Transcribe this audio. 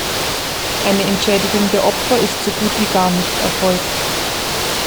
Eine Entschädigung der Opfer ist so gut wie gar nicht erfolgt.